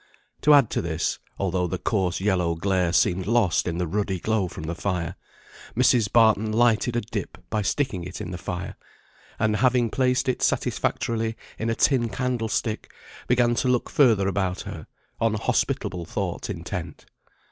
To add to this (although the coarse yellow glare seemed lost in the ruddy glow from the fire), Mrs. Barton lighted a dip by sticking it in the fire, and having placed it satisfactorily in a tin candlestick, began to look further about her, on hospitable thoughts intent.